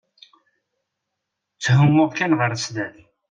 Tthumuɣ kan ɣer sdat.